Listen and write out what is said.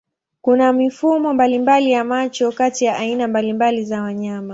Kuna mifumo mbalimbali ya macho kati ya aina mbalimbali za wanyama.